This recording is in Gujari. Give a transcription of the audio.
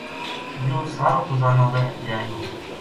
یوہ سارو خزانو رہ جائے گو